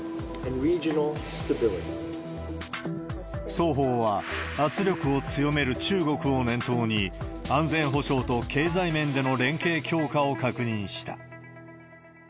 双方は、圧力を強める中国を念頭に、安全保障と経済面での連携強化を確認した。